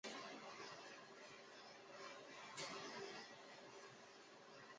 所有被告均面临上述三项罪名。